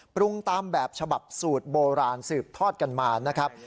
ปรุงตามแบบฉบับสูตรโบราณสืบทอดกันมานะครับ